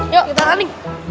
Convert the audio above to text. yuk kita lari